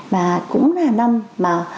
và cũng là năm